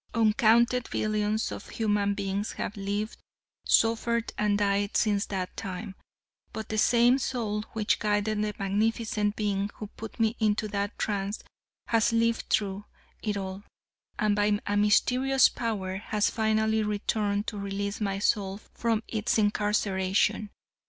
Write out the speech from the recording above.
Uncounted billions of human beings have lived, suffered and died since that time, but the same soul which guided the magnificent being who put me into that trance, has lived through it all, and by a mysterious power, has finally returned to release my soul from its incarceration.